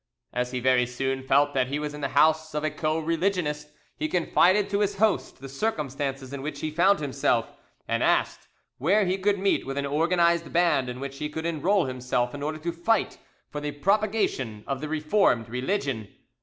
As he very soon felt that he was in the house of a co religionist, he confided to his host the circumstances in which he found himself, and asked where he could meet with an organised band in which he could enrol himself in order to fight for the propagation of the Reformed religion.